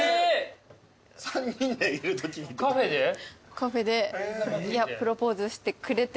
カフェでプロポーズしてくれて。